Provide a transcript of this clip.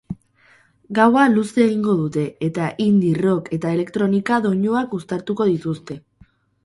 Gaua luze egingo dute eta indie, rock eta elektronika doinuak uztartuko dituzte.